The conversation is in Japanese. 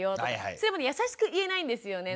それもね優しく言えないんですよね。